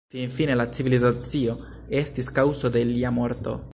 Finfine la civilizacio estis kaŭzo de lia morto.